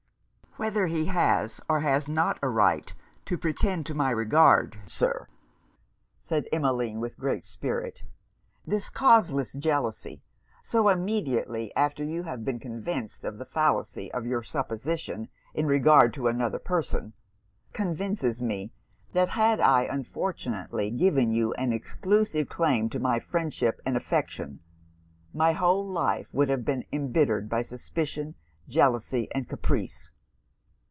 'Whether he has or has not a right to pretend to my regard, Sir,' said Emmeline, with great spirit, 'this causeless jealousy, so immediately after you have been convinced of the fallacy of your supposition in regard to another person, convinces me, that had I unfortunately given you an exclusive claim to my friendship and affection, my whole life would have been embittered by suspicion, jealousy, and caprice.